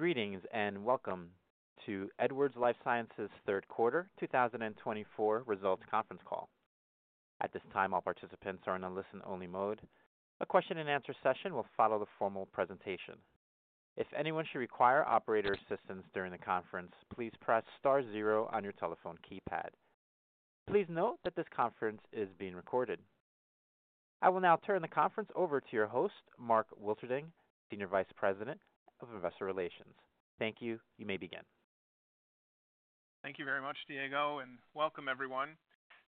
...Greetings, and welcome to Edwards Lifesciences' third quarter 2024 results conference call. At this time, all participants are in a listen-only mode. A question-and-answer session will follow the formal presentation. If anyone should require operator assistance during the conference, please press star zero on your telephone keypad. Please note that this conference is being recorded. I will now turn the conference over to your host, Mark Wilterding, Senior Vice President of Investor Relations. Thank you. You may begin. Thank you very much, Diego, and welcome everyone.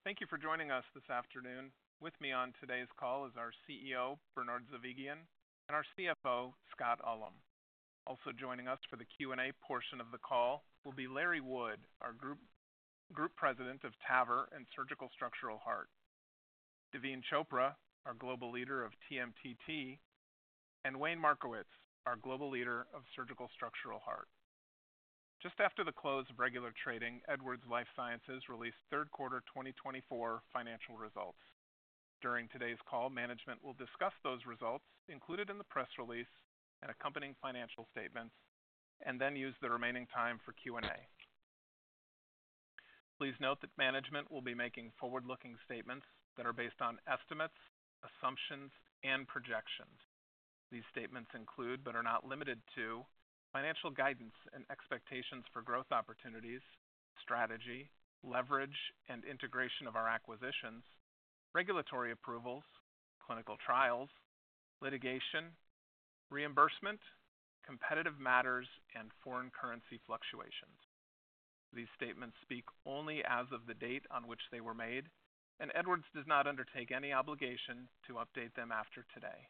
Thank you for joining us this afternoon. With me on today's call is our CEO, Bernard Zovighian, and our CFO, Scott Ullem. Also joining us for the Q&A portion of the call will be Larry Wood, our Group President of TAVR and Surgical Structural Heart, Daveen Chopra, our Global Leader of TMTT, and Wayne Markowitz, our Global Leader of Surgical Structural Heart. Just after the close of regular trading, Edwards Lifesciences released third quarter twenty twenty-four financial results. During today's call, management will discuss those results included in the press release and accompanying financial statements, and then use the remaining time for Q&A. Please note that management will be making forward-looking statements that are based on estimates, assumptions, and projections. These statements include, but are not limited to, financial guidance and expectations for growth opportunities, strategy, leverage, and integration of our acquisitions, regulatory approvals, clinical trials, litigation, reimbursement, competitive matters, and foreign currency fluctuations. These statements speak only as of the date on which they were made, and Edwards does not undertake any obligation to update them after today.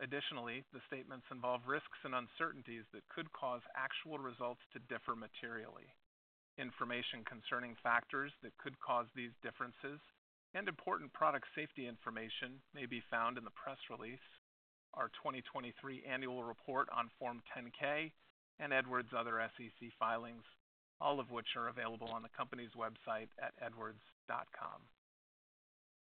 Additionally, the statements involve risks and uncertainties that could cause actual results to differ materially. Information concerning factors that could cause these differences and important product safety information may be found in the press release, our 2023 annual report on Form 10-K, and Edwards' other SEC filings, all of which are available on the company's website at edwards.com.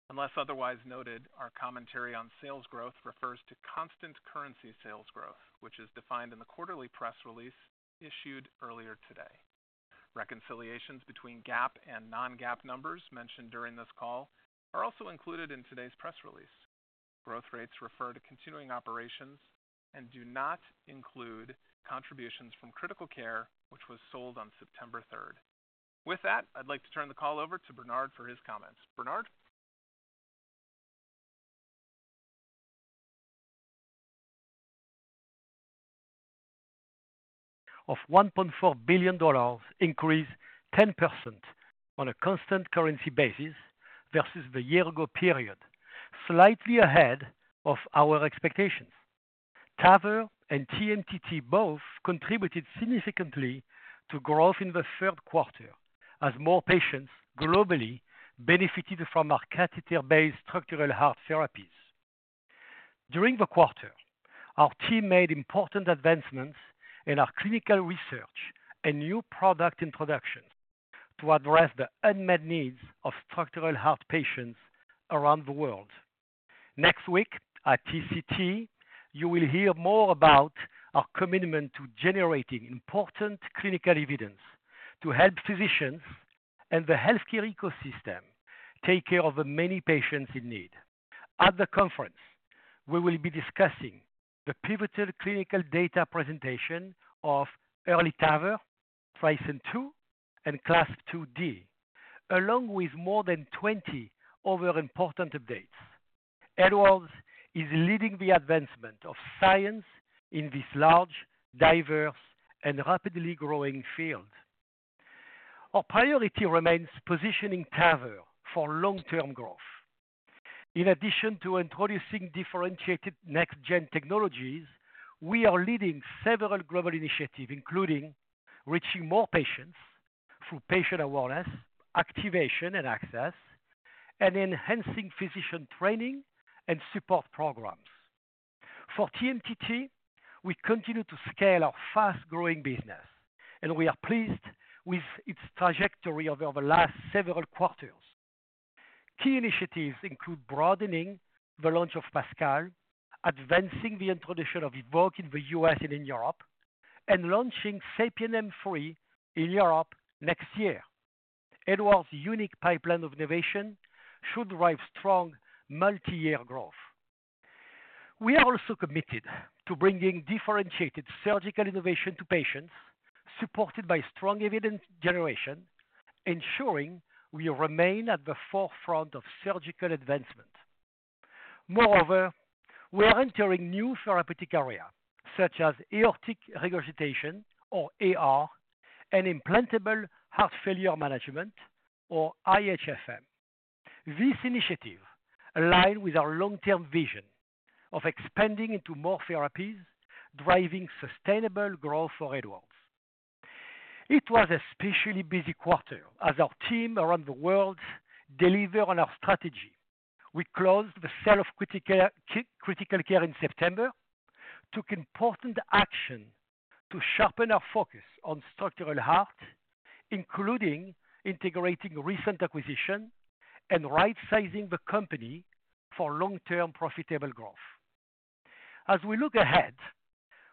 Unless otherwise noted, our commentary on sales growth refers to constant currency sales growth, which is defined in the quarterly press release issued earlier today. Reconciliations between GAAP and non-GAAP numbers mentioned during this call are also included in today's press release. Growth rates refer to continuing operations and do not include contributions from Critical Care, which was sold on September third. With that, I'd like to turn the call over to Bernard for his comments. Bernard? Of $1.4 billion increased 10% on a constant currency basis versus the year ago period, slightly ahead of our expectations. TAVR and TMTT both contributed significantly to growth in the third quarter as more patients globally benefited from our catheter-based structural heart therapies. During the quarter, our team made important advancements in our clinical research and new product introductions to address the unmet needs of structural heart patients around the world. Next week at TCT, you will hear more about our commitment to generating important clinical evidence to help physicians and the healthcare ecosystem take care of the many patients in need. At the conference, we will be discussing the pivotal clinical data presentation of EARLY TAVR, TRISCEND II, and CLASP IID, along with more than 20 other important updates. Edwards is leading the advancement of science in this large, diverse, and rapidly growing field. Our priority remains positioning TAVR for long-term growth. In addition to introducing differentiated next-gen technologies, we are leading several global initiatives, including reaching more patients through patient awareness, activation, and access, and enhancing physician training and support programs. For TMTT, we continue to scale our fast-growing business, and we are pleased with its trajectory over the last several quarters. Key initiatives include broadening the launch of PASCAL, advancing the introduction EVOQUE in the US and in Europe, and launching SAPIEN M3 in Europe next year. Edwards' unique pipeline of innovation should drive strong multi-year growth. We are also committed to bringing differentiated surgical innovation to patients, supported by strong evidence generation, ensuring we remain at the forefront of surgical advancement. Moreover, we are entering new therapeutic areas such as aortic regurgitation, or AR, and implantable heart failure management, or IHFM. This initiative align with our long-term vision of expanding into more therapies, driving sustainable growth for Edwards. It was an especially busy quarter as our team around the world delivered on our strategy. We closed the sale of Critical Care in September, took important action to sharpen our focus on structural heart-... including integrating recent acquisition and rightsizing the company for long-term profitable growth. As we look ahead,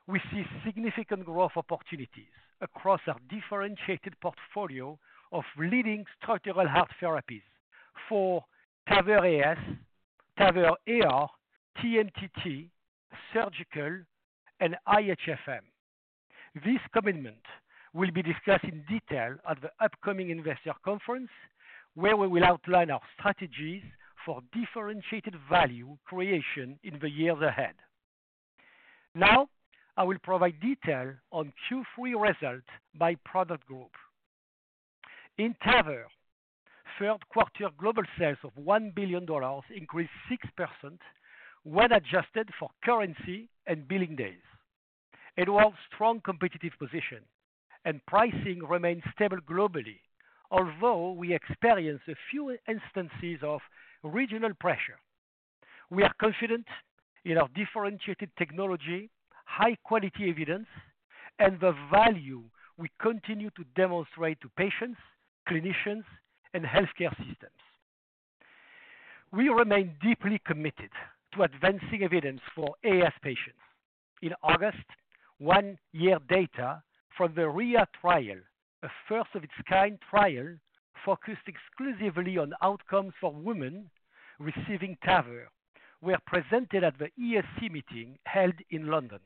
we see significant growth opportunities across our differentiated portfolio of leading structural heart therapies for TAVR AS, TAVR AR, TMTT, surgical, and IHFM. This commitment will be discussed in detail at the upcoming investor conference, where we will outline our strategies for differentiated value creation in the years ahead. Now, I will provide detail on Q3 results by product group. In TAVR, third quarter global sales of $1 billion increased 6% when adjusted for currency and billing days. It has a strong competitive position and pricing remains stable globally, although we experienced a few instances of regional pressure. We are confident in our differentiated technology, high-quality evidence, and the value we continue to demonstrate to patients, clinicians, and healthcare systems. We remain deeply committed to advancing evidence for AS patients. In August, one-year data from the RHEIA trial, a first of its kind trial, focused exclusively on outcomes for women receiving TAVR, were presented at the ESC meeting held in London.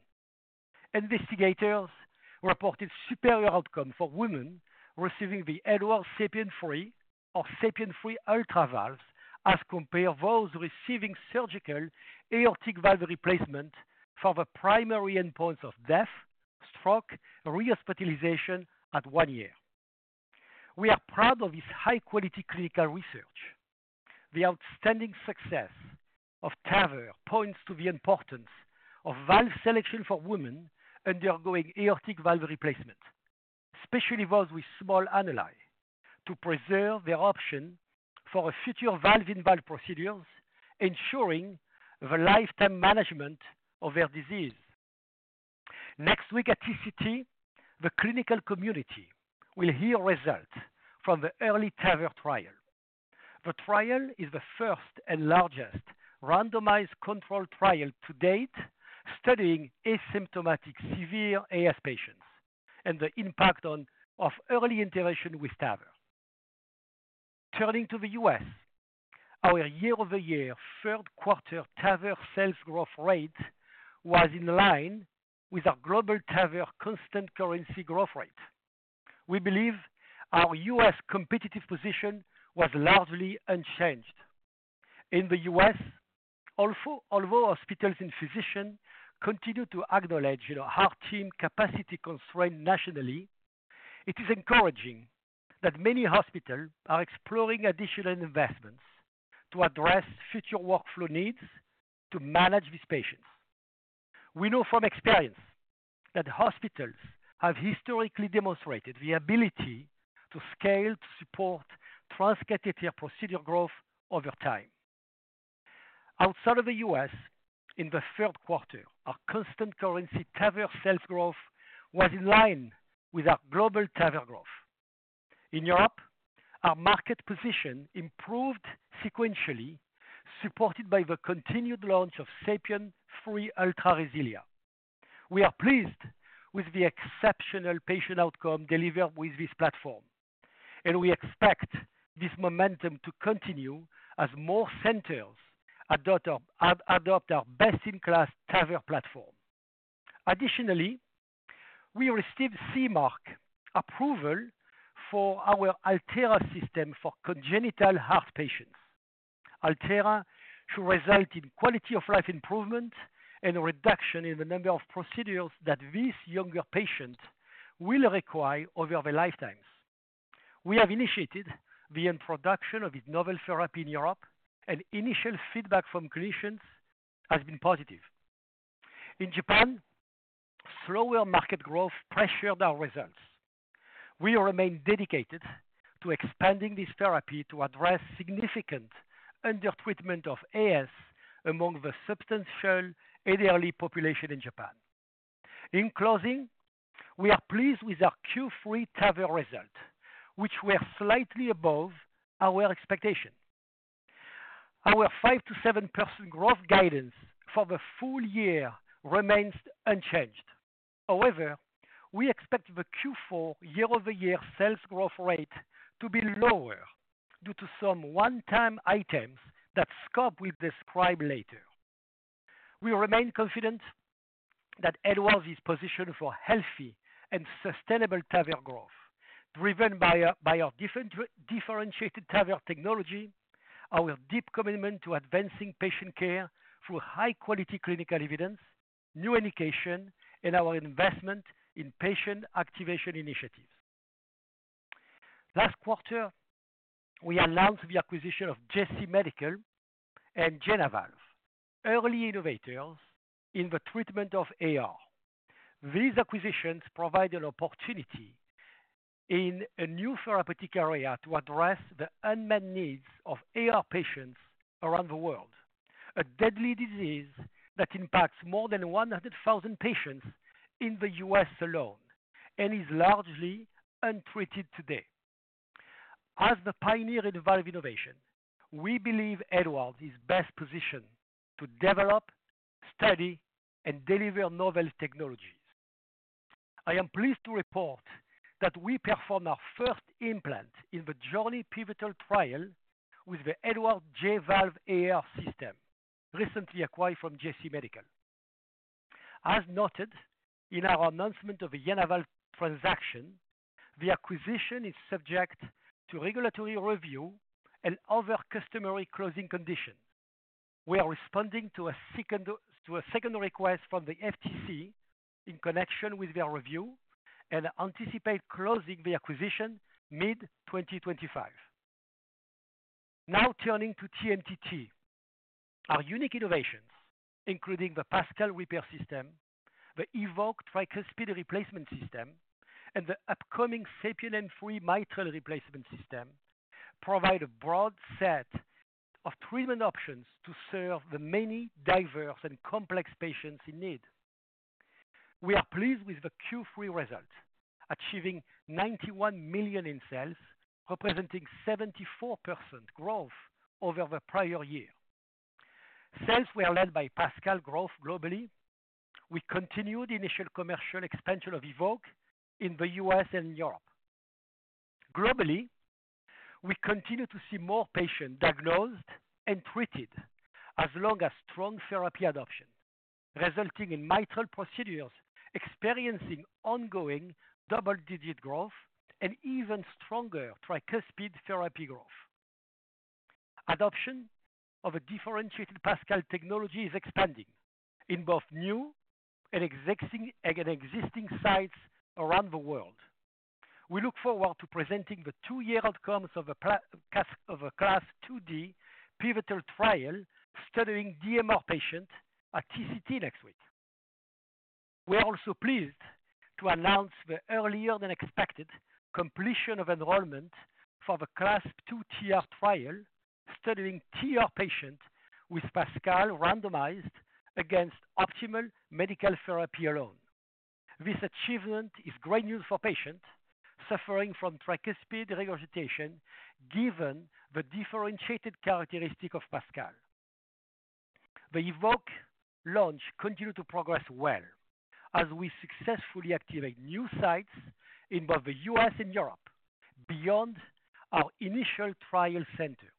Investigators reported superior outcomes for women receiving the Edwards SAPIEN 3 or SAPIEN 3 Ultra valves, as compared to those receiving surgical aortic valve replacement for the primary endpoints of death, stroke, rehospitalization at one year. We are proud of this high-quality clinical research. The outstanding success of TAVR points to the importance of valve selection for women undergoing aortic valve replacement, especially those with small annuli, to preserve their option for a future valve-in-valve procedures, ensuring the lifetime management of their disease. Next week at TCT, the clinical community will hear results from the EARLY TAVR trial. The trial is the first and largest randomized controlled trial to date, studying asymptomatic severe AS patients and the impact of early intervention with TAVR. Turning to the US, our year-over-year third quarter TAVR sales growth rate was in line with our global TAVR constant currency growth rate. We believe our US competitive position was largely unchanged. In the US, although hospitals and physicians continue to acknowledge heart team capacity constraint nationally, it is encouraging that many hospitals are exploring additional investments to address future workflow needs to manage these patients. We know from experience that hospitals have historically demonstrated the ability to scale, to support transcatheter procedure growth over time. Outside of the U.S., in the third quarter, our constant currency TAVR sales growth was in line with our global TAVR growth. In Europe, our market position improved sequentially, supported by the continued launch of SAPIEN 3 Ultra RESILIA. We are pleased with the exceptional patient outcome delivered with this platform, and we expect this momentum to continue as more centers adopt our best-in-class TAVR platform. Additionally, we received CE Mark approval for our ALTERRA system for congenital heart patients. ALTERRA should result in quality of life improvement and a reduction in the number of procedures that these younger patients will require over their lifetimes. We have initiated the introduction of this novel therapy in Europe, and initial feedback from clinicians has been positive. In Japan, slower market growth pressured our results. We remain dedicated to expanding this therapy to address significant undertreatment of AS among the substantial elderly population in Japan. In closing, we are pleased with our Q3 TAVR result, which were slightly above our expectation. Our 5%-7% growth guidance for the full year remains unchanged. However, we expect the Q4 year-over-year sales growth rate to be lower due to some one-time items that Scott will describe later. We remain confident that Edwards is positioned for healthy and sustainable TAVR growth, driven by our differentiated TAVR technology, our deep commitment to advancing patient care through high-quality clinical evidence, new education, and our investment in patient activation initiatives. Last quarter, we announced the acquisition of JC Medical and JenaValve, early innovators in the treatment of AR. These acquisitions provide an opportunity in a new therapeutic area to address the unmet needs of AR patients around the world. A deadly disease that impacts more than one hundred thousand patients in the US alone and is largely untreated today. As the pioneer in valve innovation, we believe Edwards is best positioned to develop, study, and deliver novel technologies. I am pleased to report that we performed our first implant in the JOURNEY Pivotal trial with the Edwards J-Valve AR system, recently acquired from JC Medical. As noted in our announcement of the JenaValve transaction, the acquisition is subject to regulatory review and other customary closing conditions. We are responding to a second request from the FTC in connection with their review and anticipate closing the acquisition mid-2025. Now turning to TMTT. Our unique innovations, including the PASCAL repair system, the EVOQUE tricuspid replacement system, and the upcoming SAPIEN M3 mitral replacement system, provide a broad set of treatment options to serve the many diverse and complex patients in need. We are pleased with the Q3 results, achieving $91 million in sales, representing 74% growth over the prior year. Sales were led by PASCAL growth globally. We continued initial commercial expansion of EVOQUE in the U.S. and Europe. Globally, we continue to see more patients diagnosed and treated along with strong therapy adoption, resulting in mitral procedures experiencing ongoing double-digit growth and even stronger tricuspid therapy growth. Adoption of a differentiated PASCAL technology is expanding in both new and existing sites around the world. We look forward to presenting the two-year outcomes of the CLASP IID pivotal trial studying DMR patients at TCT next week. We are also pleased to announce the earlier-than-expected completion of enrollment for the CLASP II TR trial, studying TR patients with PASCAL randomized against optimal medical therapy alone. This achievement is great news for patients suffering from tricuspid regurgitation, given the differentiated characteristic of PASCAL. The EVOQUE launch continued to progress well as we successfully activate new sites in both the U.S. and Europe beyond our initial trial centers.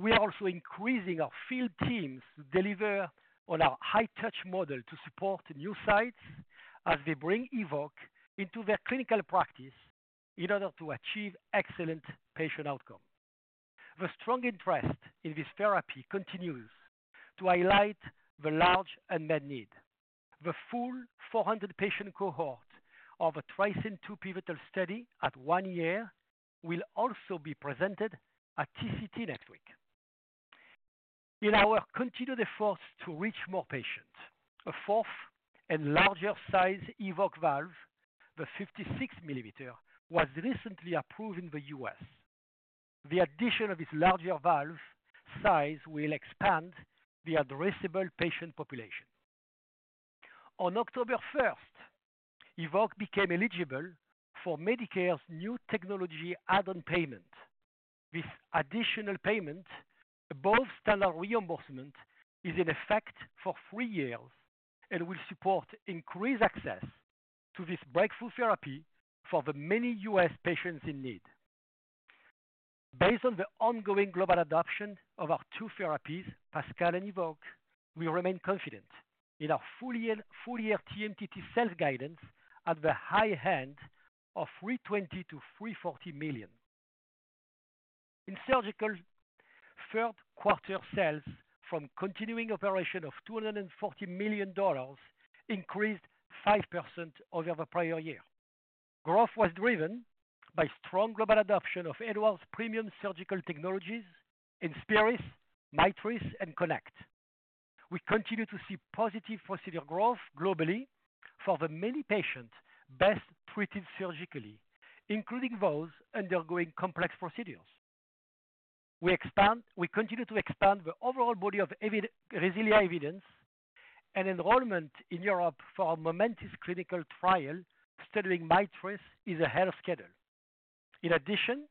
We are also increasing our field teams to deliver on our high-touch model to support new sites as they bring EVOQUE into their clinical practice in order to achieve excellent patient outcome. The strong interest in this therapy continues to highlight the large unmet need. The full 400-patient cohort of the TRISCEND II pivotal study at one year will also be presented at TCT next week. In our continued efforts to reach more patients, a fourth and larger size EVOQUE valve, the 56-millimeter, was recently approved in the U.S. The addition of this larger valve size will expand the addressable patient population. On October first, EVOQUE became eligible for Medicare's new technology add-on payment. This additional payment, above standard reimbursement, is in effect for three years and will support increased access to this breakthrough therapy for the many U.S. patients in need. Based on the ongoing global adoption of our two therapies, PASCAL and EVOQUE, we remain confident in our full year TMTT sales guidance at the high end of $320 million-$340 million. In Surgical, third quarter sales from continuing operations of $240 million increased 5% over the prior year. Growth was driven by strong global adoption of Edwards' premium surgical technologies, INSPIRIS, MITRIS, and KONECT. We continue to see positive procedure growth globally for the many patients best treated surgically, including those undergoing complex procedures. We continue to expand the overall body of RESILIA evidence and enrollment in Europe for MOMENTIS clinical trial studying MITRIS is ahead of schedule. In addition,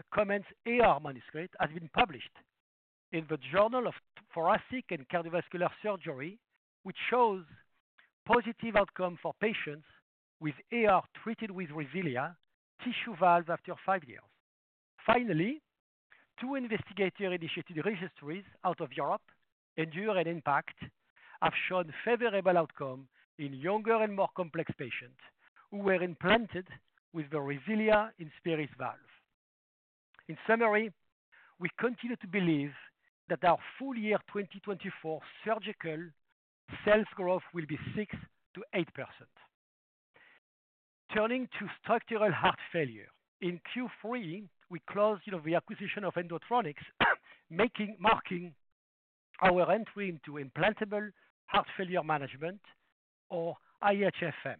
a COMMENCE AR manuscript has been published in the Journal of Thoracic and Cardiovascular Surgery, which shows positive outcome for patients with AR treated with RESILIA tissue valves after five years. Finally, two investigator-initiated registries out of Europe, ENDURE and IMPACT, have shown favorable outcome in younger and more complex patients who were implanted with the RESILIA INSPIRIS valve. In summary, we continue to believe that our full year 2024 surgical sales growth will be 6%-8%. Turning to structural heart failure. In Q3, we closed the acquisition of Endotronix, marking our entry into implantable heart failure management or IHFM.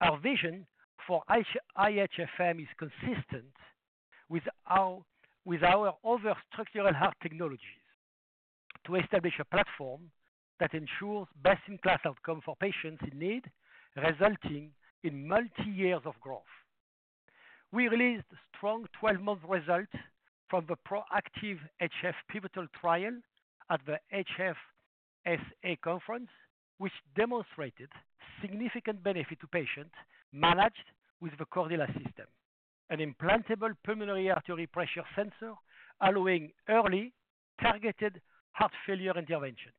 Our vision for IHFM is consistent with our other structural heart technologies to establish a platform that ensures best-in-class outcome for patients in need, resulting in multi-year growth. We released strong twelve-month results from the PROACTIVE-HF pivotal trial at the HFSA conference, which demonstrated significant benefit to patients managed with the Cordella system, an implantable pulmonary artery pressure sensor allowing early targeted heart failure intervention.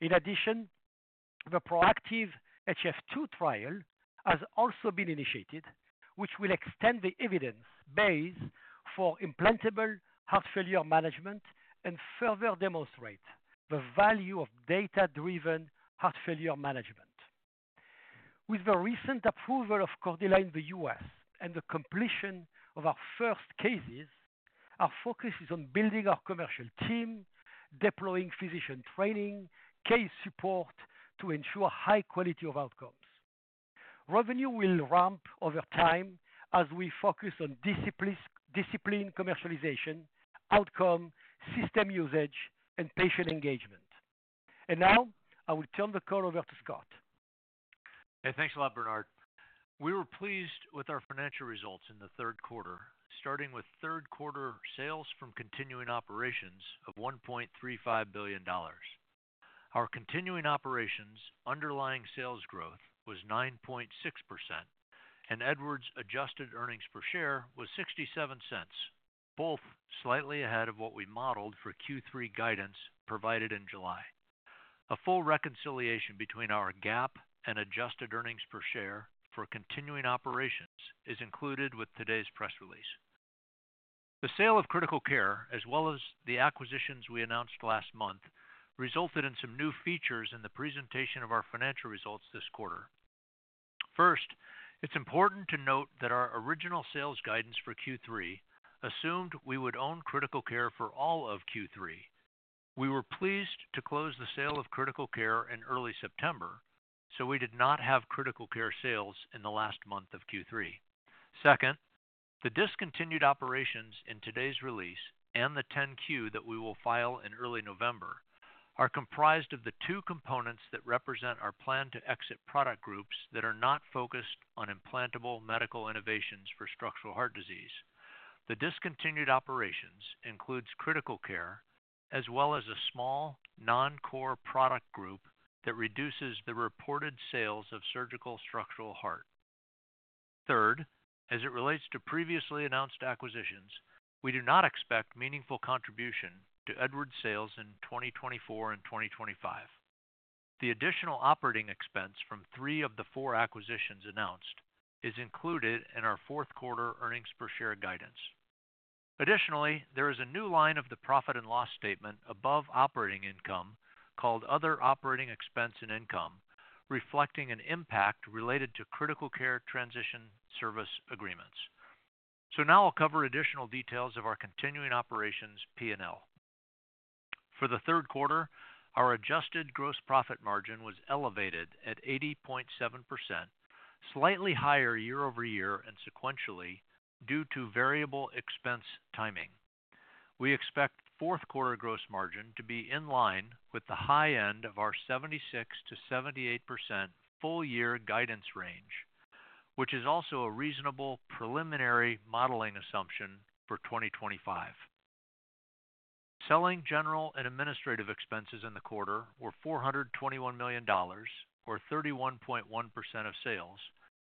In addition, the PROACTIVE-HF 2 trial has also been initiated, which will extend the evidence base for implantable heart failure management and further demonstrate the value of data-driven heart failure management. With the recent approval of Cordella in the US and the completion of our first cases, our focus is on building our commercial team, deploying physician training, case support to ensure high quality of outcomes. Revenue will ramp over time as we focus on discipline, commercialization, outcome, system usage, and patient engagement. And now I will turn the call over to Scott. Hey, thanks a lot, Bernard. We were pleased with our financial results in the third quarter, starting with third quarter sales from continuing operations of $1.35 billion. Our continuing operations underlying sales growth was 9.6%, and Edwards adjusted earnings per share was $0.67, both slightly ahead of what we modeled for Q3 guidance provided in July. A full reconciliation between our GAAP and adjusted earnings per share for continuing operations is included with today's press release. The sale of Critical Care, as well as the acquisitions we announced last month, resulted in some new features in the presentation of our financial results this quarter. First, it's important to note that our original sales guidance for Q3 assumed we would own Critical Care for all of Q3. We were pleased to close the sale of Critical Care in early September, so we did not have Critical Care sales in the last month of Q3. Second, the discontinued operations in today's release and the 10-Q that we will file in early November, are comprised of the two components that represent our plan to exit product groups that are not focused on implantable medical innovations for structural heart disease. The discontinued operations includes Critical Care, as well as a small, non-core product group that reduces the reported sales of Surgical Structural Heart. Third, as it relates to previously announced acquisitions, we do not expect meaningful contribution to Edwards sales in 2024 and 2025. The additional operating expense from three of the four acquisitions announced is included in our fourth quarter earnings per share guidance. Additionally, there is a new line of the profit and loss statement above operating income, called other operating expense and income, reflecting an impact related to Critical Care transition service agreements. So now I'll cover additional details of our continuing operations, P&L. For the third quarter, our adjusted gross profit margin was elevated at 80.7%, slightly higher year over year and sequentially due to variable expense timing. We expect fourth quarter gross margin to be in line with the high end of our 76%-78% full-year guidance range, which is also a reasonable preliminary modeling assumption for 2025. Selling general and administrative expenses in the quarter were $421 million, or 31.1% of sales,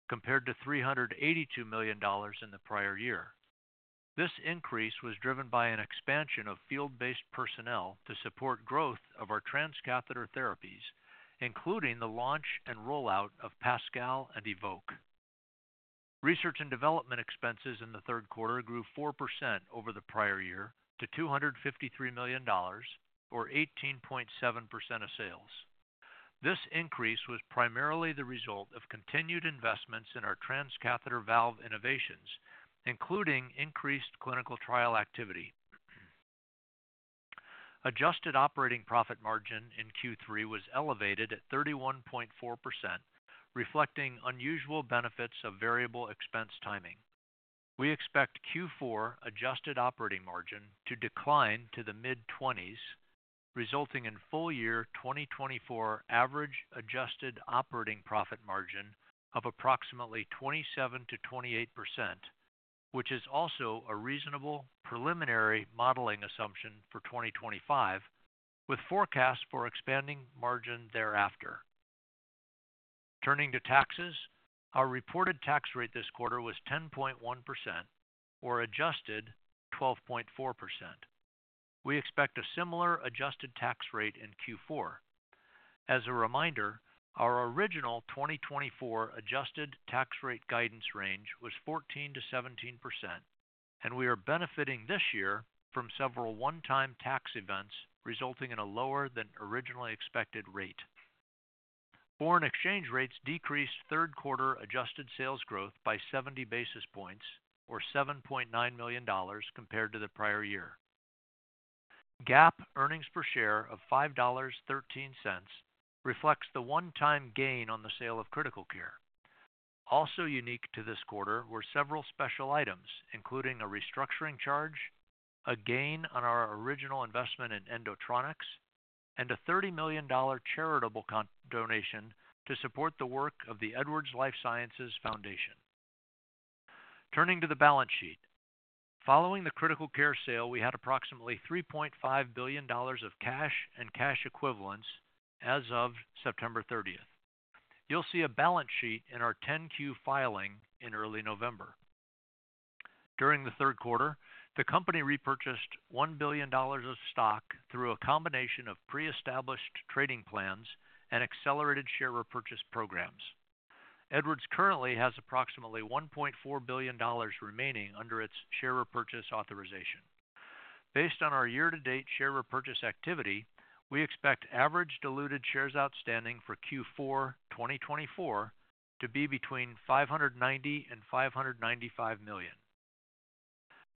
compared to $382 million in the prior year. This increase was driven by an expansion of field-based personnel to support growth of our transcatheter therapies, including the launch and rollout of PASCAL and EVOQUE. Research and development expenses in the third quarter grew 4% over the prior year to $253 million or 18.7% of sales. This increase was primarily the result of continued investments in our transcatheter valve innovations, including increased clinical trial activity. Adjusted operating profit margin in Q3 was elevated at 31.4%, reflecting unusual benefits of variable expense timing. We expect Q4 adjusted operating margin to decline to the mid-twenties, resulting in full year 2024 average adjusted operating profit margin of approximately 27%-28%, which is also a reasonable preliminary modeling assumption for 2025, with forecasts for expanding margin thereafter. Turning to taxes, our reported tax rate this quarter was 10.1% or adjusted 12.4%. We expect a similar adjusted tax rate in Q4. As a reminder, our original 2024 adjusted tax rate guidance range was 14%-17%, and we are benefiting this year from several one-time tax events, resulting in a lower than originally expected rate. Foreign exchange rates decreased third-quarter adjusted sales growth by 70 basis points or $7.9 million compared to the prior year. GAAP earnings per share of $5.13 reflects the one-time gain on the sale of Critical Care. Also unique to this quarter were several special items, including a restructuring charge, a gain on our original investment in Endotronix, and a $30 million charitable donation to support the work of the Edwards Lifesciences Foundation. Turning to the balance sheet. Following the Critical Care sale, we had approximately $3.5 billion of cash and cash equivalents as of September thirtieth. You'll see a balance sheet in our 10-Q filing in early November. During the third quarter, the company repurchased $1 billion of stock through a combination of pre-established trading plans and accelerated share repurchase programs. Edwards currently has approximately $1.4 billion remaining under its share repurchase authorization. Based on our year-to-date share repurchase activity, we expect average diluted shares outstanding for Q4 2024 to be between 590 and 595 million.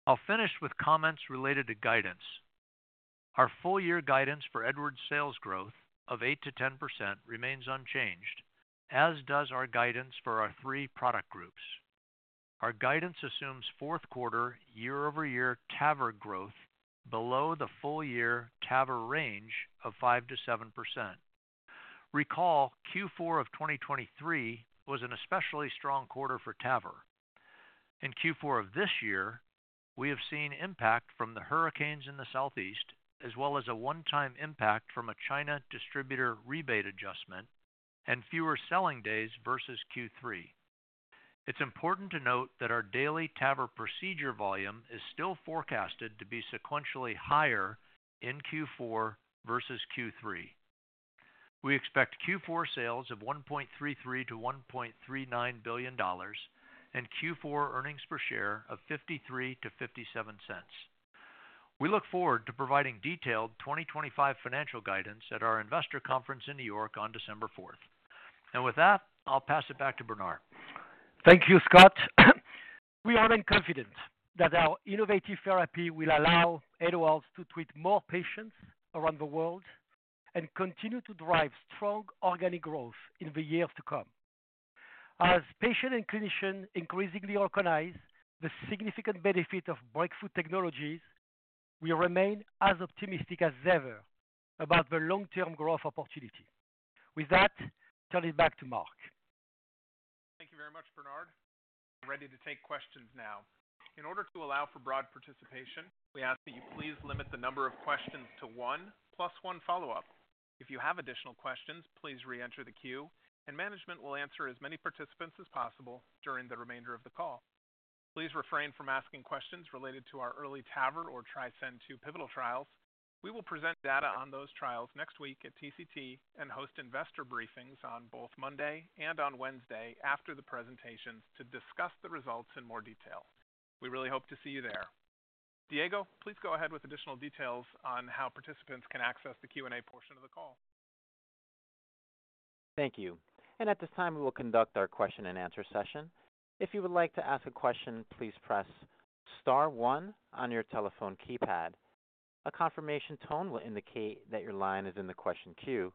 I'll finish with comments related to guidance. Our full-year guidance for Edwards sales growth of 8% to 10% remains unchanged, as does our guidance for our three product groups. Our guidance assumes fourth quarter year-over-year TAVR growth below the full-year TAVR range of 5%-7%. Recall, Q4 of 2023 was an especially strong quarter for TAVR. In Q4 of this year, we have seen impact from the hurricanes in the Southeast, as well as a one-time impact from a China distributor rebate adjustment and fewer selling days versus Q3. It's important to note that our daily TAVR procedure volume is still forecasted to be sequentially higher in Q4 versus Q3. We expect Q4 sales of $1.33-$1.39 billion, and Q4 earnings per share of $0.53-$0.57. We look forward to providing detailed 2025 financial guidance at our investor conference in New York on December fourth. With that, I'll pass it back to Bernard. Thank you, Scott. We are confident that our innovative therapy will allow Edwards to treat more patients around the world and continue to drive strong organic growth in the years to come. As patients and clinicians increasingly recognize the significant benefit of breakthrough technologies, we remain as optimistic as ever about the long-term growth opportunity. With that, turn it back to Mark. Thank you very much, Bernard. We're ready to take questions now. In order to allow for broad participation, we ask that you please limit the number of questions to one plus one follow-up. If you have additional questions, please reenter the queue, and management will answer as many participants as possible during the remainder of the call. Please refrain from asking questions related to our EARLY TAVR or TRISCEND II pivotal trials. We will present data on those trials next week at TCT and host investor briefings on both Monday and on Wednesday after the presentations to discuss the results in more detail. We really hope to see you there. Diego, please go ahead with additional details on how participants can access the Q&A portion of the call. Thank you. And at this time, we will conduct our question-and-answer session. If you would like to ask a question, please press star one on your telephone keypad. A confirmation tone will indicate that your line is in the question queue.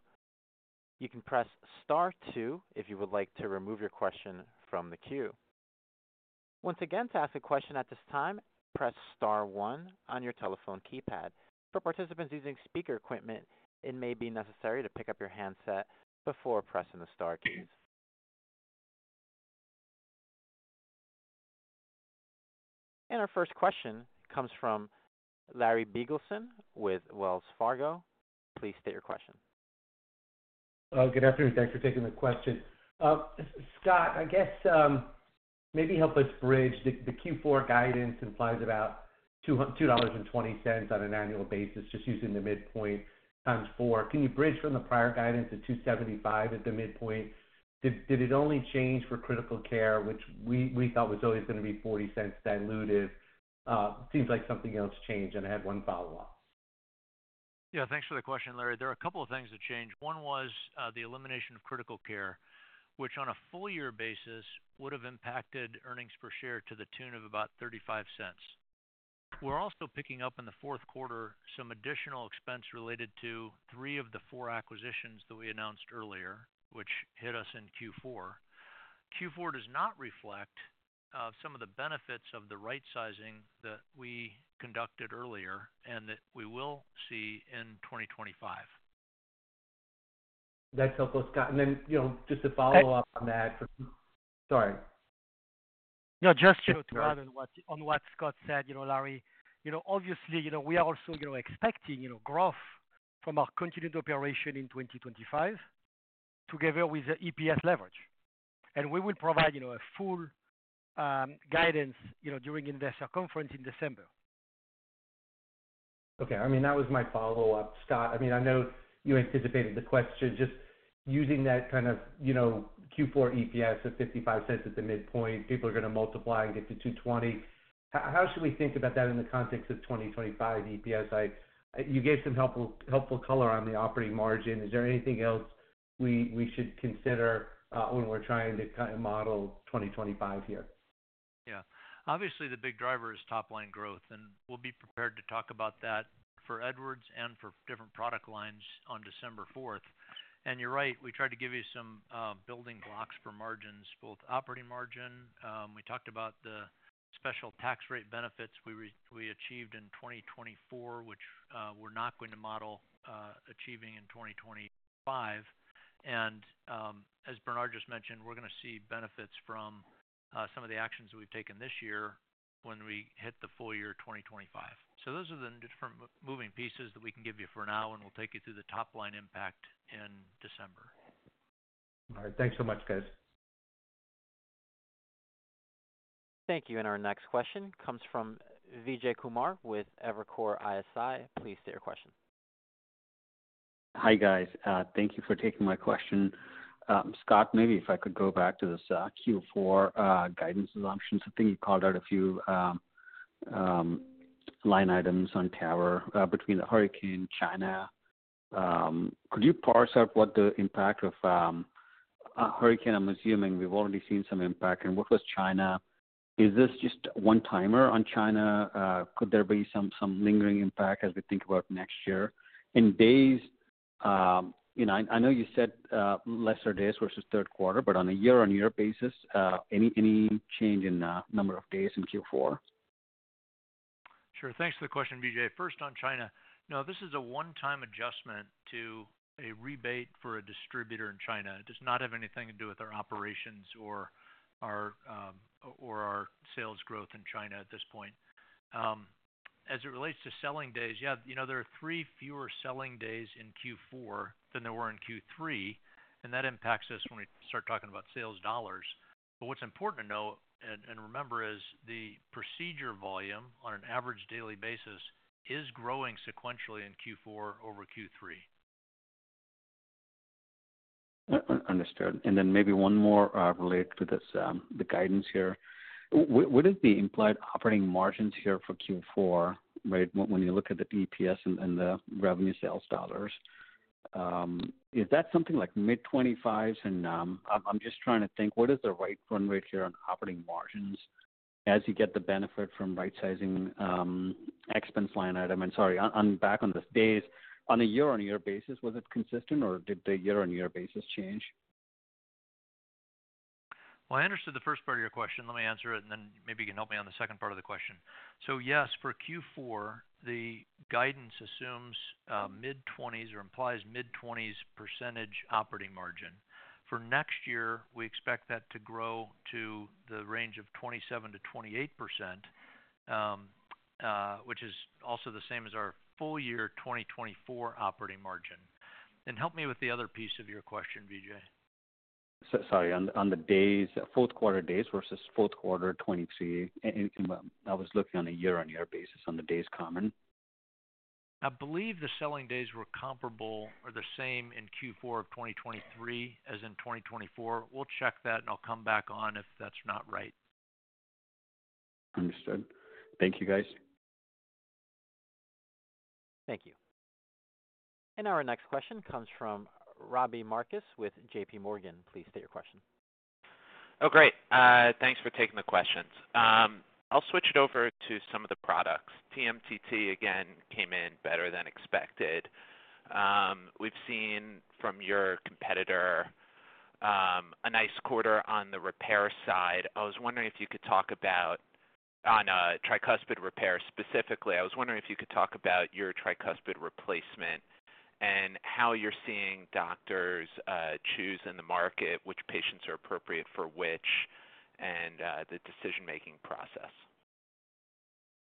You can press star two if you would like to remove your question from the queue. Once again, to ask a question at this time, press star one on your telephone keypad. For participants using speaker equipment, it may be necessary to pick up your handset before pressing the star keys. And our first question comes from Larry Biegelsen with Wells Fargo. Please state your question. Good afternoon. Thanks for taking the question. Scott, I guess, maybe help us bridge the Q4 guidance implies about $2.20 on an annual basis, just using the midpoint times four. Can you bridge from the prior guidance to $2.75 at the midpoint? Did it only change for Critical Care, which we thought was always going to be $0.40 diluted? It seems like something else changed. And I had one follow-up. Yeah, thanks for the question, Larry. There are a couple of things that changed. One was, the elimination of Critical Care, which on a full year basis, would have impacted earnings per share to the tune of about $0.35. We're also picking up in the fourth quarter some additional expense related to three of the four acquisitions that we announced earlier, which hit us in Q4. Q4 does not reflect, some of the benefits of the right sizing that we conducted earlier and that we will see in twenty twenty-five. That's helpful, Scott. And then, you know, just to follow up on that. Sorry. No, just to add on what Scott said, you know, Larry, you know, obviously, you know, we are also, you know, expecting, you know, growth from our continued operation in twenty twenty-five, together with the EPS leverage, and we will provide, you know, a full guidance, you know, during investor conference in December. Okay. I mean, that was my follow-up, Scott. I mean, I know you anticipated the question, just using that kind of, you know, Q4 EPS of $0.55 at the midpoint. People are going to multiply and get to $2.20. How should we think about that in the context of twenty twenty-five EPS? You gave some helpful color on the operating margin. Is there anything else we should consider when we're trying to kind of model twenty twenty-five here? ... Yeah. Obviously, the big driver is top-line growth, and we'll be prepared to talk about that for Edwards and for different product lines on December fourth. And you're right, we tried to give you some building blocks for margins, both operating margin. We talked about the special tax rate benefits we achieved in twenty twenty-four, which we're not going to model achieving in twenty twenty-five. And as Bernard just mentioned, we're going to see benefits from some of the actions that we've taken this year when we hit the full year twenty twenty-five. So those are the different moving pieces that we can give you for now, and we'll take you through the top-line impact in December. All right, thanks so much, guys. Thank you. And our next question comes from Vijay Kumar with Evercore ISI. Please state your question. Hi, guys. Thank you for taking my question. Scott, maybe if I could go back to this Q4 guidance assumptions. I think you called out a few line items on TAVR between the hurricane, China. Could you parse out what the impact of hurricane. I'm assuming we've already seen some impact, and what was China? Is this just a one-timer on China? Could there be some lingering impact as we think about next year? In days, you know, I know you said lesser days versus third quarter, but on a year-on-year basis, any change in number of days in Q4? Sure. Thanks for the question, Vijay. First on China. No, this is a one-time adjustment to a rebate for a distributor in China. It does not have anything to do with our operations or our sales growth in China at this point. As it relates to selling days, yeah, you know, there are three fewer selling days in Q4 than there were in Q3, and that impacts us when we start talking about sales dollars. But what's important to note and remember is the procedure volume on an average daily basis is growing sequentially in Q4 over Q3. Understood. And then maybe one more, related to this, the guidance here. What is the implied operating margins here for Q4, right? When you look at the EPS and the revenue sales dollars, is that something like mid-25s%? And, I'm just trying to think, what is the right run rate here on operating margins as you get the benefit from right-sizing, expense line item? And sorry, back on the days, on a year-on-year basis, was it consistent or did the year-on-year basis change? I understood the first part of your question. Let me answer it, and then maybe you can help me on the second part of the question. So yes, for Q4, the guidance assumes mid-twenties or implies mid-twenties % operating margin. For next year, we expect that to grow to the range of 27%-28%, which is also the same as our full year 2024 operating margin. And help me with the other piece of your question, Vijay. So sorry. On the days, fourth quarter days versus fourth quarter twenty-three. And you can... I was looking on a year-on-year basis on the days common. I believe the selling days were comparable or the same in Q4 of 2023 as in 2024. We'll check that, and I'll come back on if that's not right. Understood. Thank you, guys. Thank you. And our next question comes from Robbie Marcus with JP Morgan. Please state your question. Oh, great. Thanks for taking the questions. I'll switch it over to some of the products. TMTT, again, came in better than expected. We've seen from your competitor, a nice quarter on the repair side. I was wondering if you could talk about on tricuspid repair specifically. I was wondering if you could talk about your tricuspid replacement and how you're seeing doctors choose in the market, which patients are appropriate for which, and the decision-making process.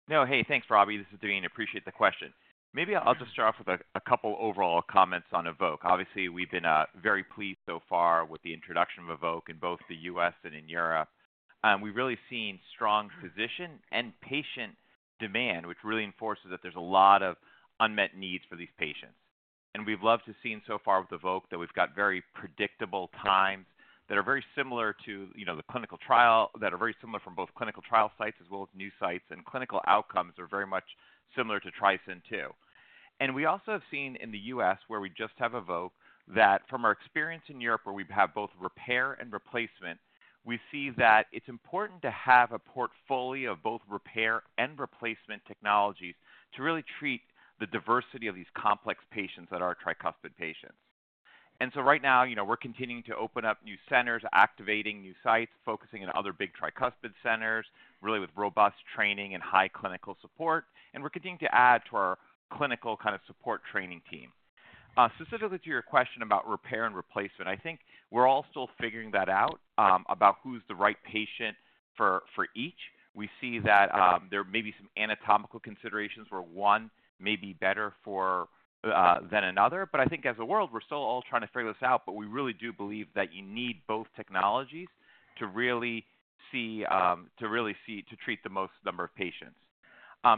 No. Hey, thanks, Robbie. This is Daveen. Appreciate the question. Maybe I'll just start off with a couple overall comments on EVOQUE. Obviously, we've been very pleased so far with the introduction of EVOQUE in both the U.S. and in Europe. We've really seen strong physician and patient demand, which really enforces that there's a lot of unmet needs for these patients. And we've loved what we've seen so far with EVOQUE that we've got very predictable times that are very similar to, you know, the clinical trial, that are very similar from both clinical trial sites as well as new sites, and clinical outcomes are very much similar to TRISCEND II. And we also have seen in the US, where we just have EVOQUE, that from our experience in Europe, where we have both repair and replacement, we see that it's important to have a portfolio of both repair and replacement technologies to really treat the diversity of these complex patients that are tricuspid patients. So right now, you know, we're continuing to open up new centers, activating new sites, focusing on other big tricuspid centers, really with robust training and high clinical support. We're continuing to add to our clinical kind of support training team. Specifically to your question about repair and replacement, I think we're all still figuring that out, about who's the right patient for each. We see that, there may be some anatomical considerations where one may be better for, than another, but I think as a world, we're still all trying to figure this out, but we really do believe that you need both technologies to really see to treat the most number of patients.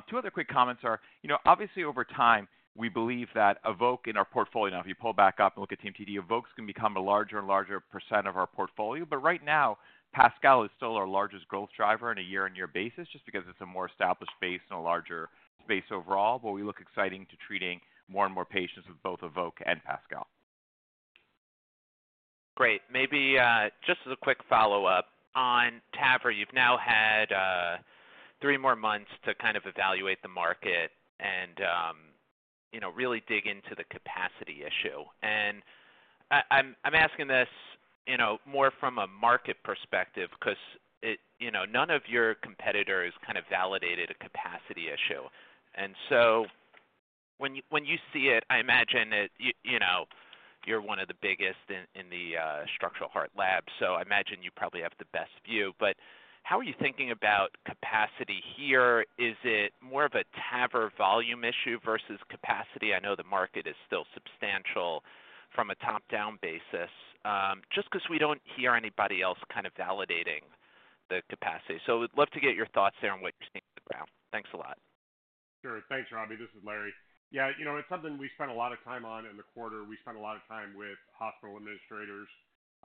Two other quick comments are, you know, obviously, over time, we believe that EVOQUE in our portfolio, now, if you pull back up and look at TMTT, EVOQUE's going to become a larger and larger % of our portfolio. But right now, PASCAL is still our largest growth driver on a year-on-year basis, just because it's a more established base and a larger base overall, but we look exciting to treating more and more patients with both EVOQUE and PASCAL.... Great. Maybe just as a quick follow-up, on TAVR, you've now had three more months to kind of evaluate the market and you know really dig into the capacity issue. And I'm asking this you know more from a market perspective, 'cause it you know none of your competitors kind of validated a capacity issue. And so when you see it, I imagine that you know you're one of the biggest in the structural heart lab, so I imagine you probably have the best view. But how are you thinking about capacity here? Is it more of a TAVR volume issue versus capacity? I know the market is still substantial from a top-down basis. Just 'cause we don't hear anybody else kind of validating the capacity. So we'd love to get your thoughts there on what you're seeing on the ground. Thanks a lot. Sure. Thanks, Robbie. This is Larry. Yeah, you know, it's something we spent a lot of time on in the quarter. We spent a lot of time with hospital administrators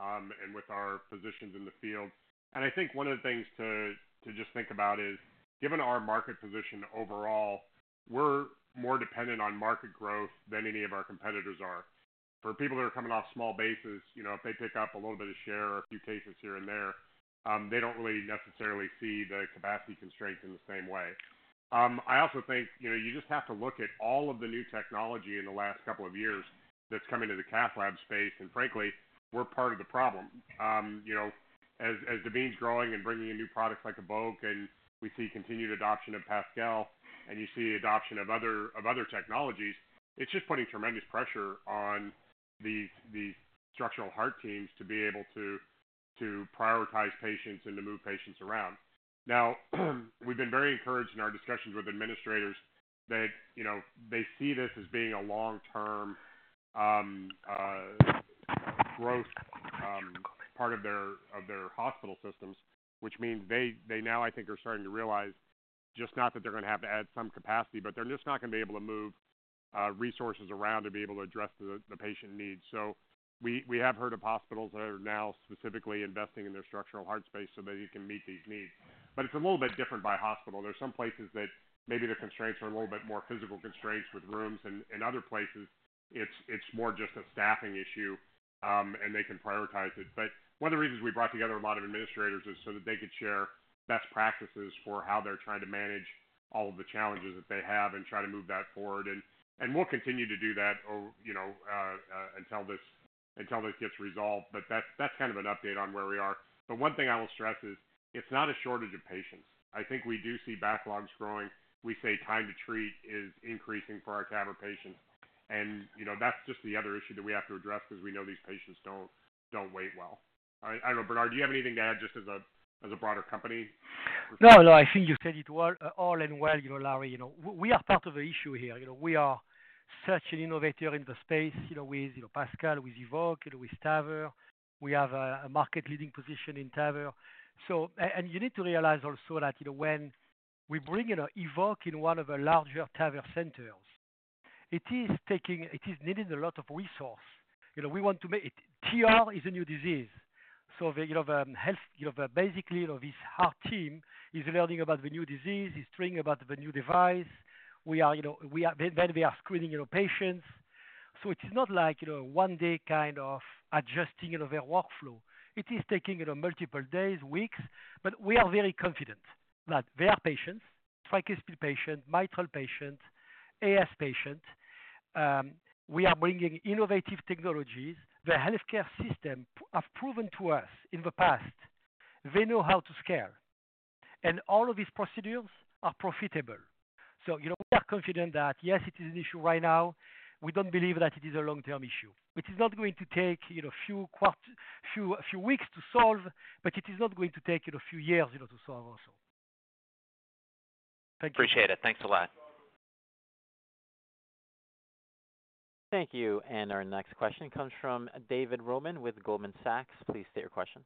and with our physicians in the field. And I think one of the things to just think about is, given our market position overall, we're more dependent on market growth than any of our competitors are. For people that are coming off small bases, you know, if they pick up a little bit of share or a few cases here and there, they don't really necessarily see the capacity constraints in the same way. I also think, you know, you just have to look at all of the new technology in the last couple of years that's come into the cath lab space, and frankly, we're part of the problem. You know, as Daveen's growing and bringing in new products like EVOQUE, and we see continued adoption of PASCAL, and you see adoption of other technologies, it's just putting tremendous pressure on the structural heart teams to be able to prioritize patients and to move patients around. Now, we've been very encouraged in our discussions with administrators that, you know, they see this as being a long-term growth part of their hospital systems, which means they now, I think, are starting to realize just not that they're going to have to add some capacity, but they're just not going to be able to move resources around to be able to address the patient needs. So we have heard of hospitals that are now specifically investing in their structural heart space so that they can meet these needs. But it's a little bit different by hospital. There are some places that maybe the constraints are a little bit more physical constraints with rooms, and other places, it's more just a staffing issue, and they can prioritize it. But one of the reasons we brought together a lot of administrators is so that they could share best practices for how they're trying to manage all of the challenges that they have and try to move that forward. And we'll continue to do that you know until this gets resolved. But that's kind of an update on where we are. But one thing I will stress is, it's not a shortage of patients. I think we do see backlogs growing. We see time to treat is increasing for our TAVR patients. And, you know, that's just the other issue that we have to address because we know these patients don't wait well. I don't know. Bernard, do you have anything to add just as a broader company? No, no, I think you said it well, all in all, you know, Larry. You know, we are part of the issue here. You know, we are such an innovator in the space, you know, with PASCAL, with EVOQUE, you know, with TAVR. We have a market-leading position in TAVR. So and you need to realize also that, you know, when we bring in EVOQUE in one of our larger TAVR centers, it is taking. It is needing a lot of resource. You know, we want to make it. TR is a new disease, so the heart team is learning about the new disease, is training about the new device. We are, you know, then we are screening our patients. So it's not like, you know, one day kind of adjusting, you know, their workflow. It is taking, you know, multiple days, weeks, but we are very confident that their patients, tricuspid patient, mitral patient, AS patient, we are bringing innovative technologies. The healthcare system have proven to us in the past, they know how to scale, and all of these procedures are profitable. So, you know, we are confident that, yes, it is an issue right now. We don't believe that it is a long-term issue. It is not going to take, you know, few quarter, few weeks to solve, but it is not going to take, you know, a few years, you know, to solve also. Thank you. Appreciate it. Thanks a lot. Thank you, and our next question comes from David Roman with Goldman Sachs. Please state your question.